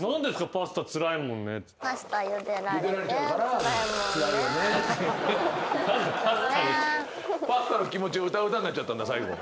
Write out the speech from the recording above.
パスタの気持ちを歌う歌になっちゃったんだ最後。